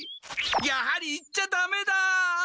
やはり行っちゃダメだ！